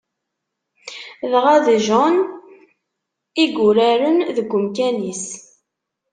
Dɣa d Jean i yuraren deg umkan-is.